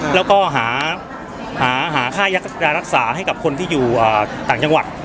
แล้วก็หาค่ายักษ์ยารักษาให้กับคนที่อยู่ต่างจังหวัด